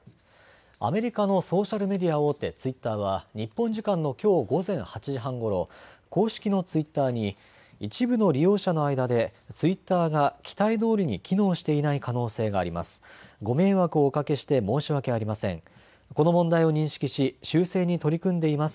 アメリカのソーシャルメディア大手、ツイッターは日本時間のきょう午前８時半ごろ、公式のツイッターに一部の利用者の間でツイッターが期待どおりに機能していない可能性があります。